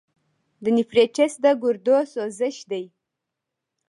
د نیفریټس د ګردو سوزش دی.